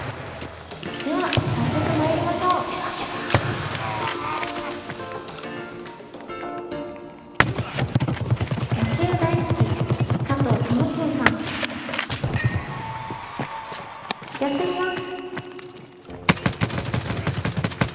では早速まいりましょうやってみます。